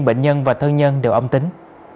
bệnh nhân và thân nhân đều âm tính